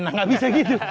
nah gak bisa gitu